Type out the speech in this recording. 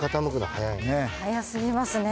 早すぎますね。